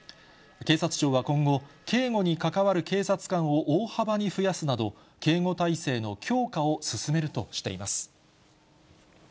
警察庁は今後、警護に関わる警察官を大幅に増やすなど、警護体制の強化を進めるとしています。